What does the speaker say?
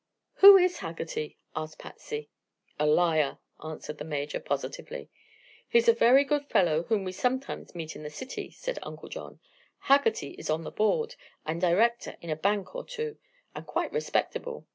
"Who is Haggerty?" asked Patsy. "A liar," answered the Major, positively. "He's a very good fellow whom we sometimes meet in the city," said Uncle John. "Haggerty is on the Board, and director in a bank or two, and quite respectable.